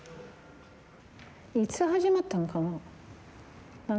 いつ始まったのかな？